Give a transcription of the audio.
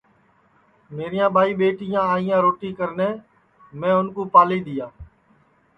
تو میریاں ٻائی ٻیٹیاں آئیاں روٹی کرنے میں اُن کُو منا کری دؔیا